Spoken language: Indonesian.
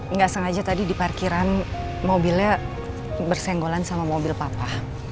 nggak sengaja tadi di parkiran mobilnya bersenggolan sama mobil papa